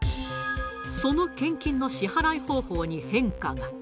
その献金の支払い方法に変化が。